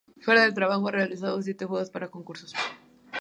Fuera del trabajo, ha realizado siete juegos para concursos.